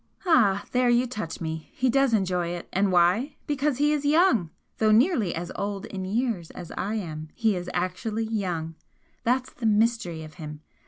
"Ah! There you touch me! He does enjoy it, and why? Because he is young! Though nearly as old in years as I am, he is actually young! That's the mystery of him!